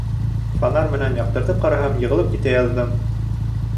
Фонарь менән яҡтыртып ҡараһам, йығылып китә яҙҙым.